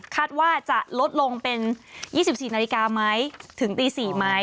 ว่าจะลดลงเป็น๒๔นาฬิกาไหมถึงตี๔ไหม